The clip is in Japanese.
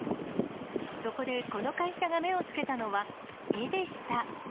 そこでこの会社が目をつけたのは、絵でした。